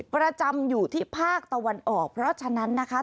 ประจำอยู่ที่ภาคตะวันออกเพราะฉะนั้นนะคะ